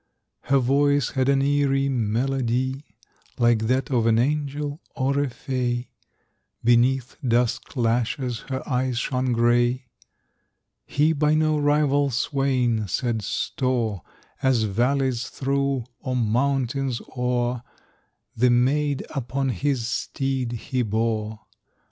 Her voice had an eerie melody, Like that of an angel or a fay. Beneath dusk lashes her eyes shone gray. He by no rival swain set store, As valleys through, or mountains o'er, The maid upon his steed he bore.